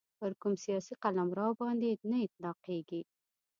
پر کوم سیاسي قلمرو باندي نه اطلاقیږي.